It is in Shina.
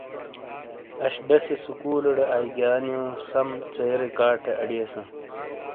اش بیسے سکولیڑے آیئگانیو سم ژیرے کاٹے اڑیئساں۔